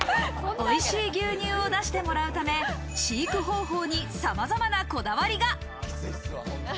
おいしい牛乳を出してもらうため、飼育方法にさまざまなこだわりが。